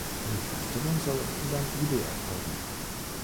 Die Herstellung soll in Ulan-Ude erfolgen